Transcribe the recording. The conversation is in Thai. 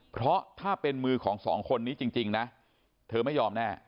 เพราะถ้าเป็นมือของสองคนนี้จริงนะเธอไม่ยอมแน่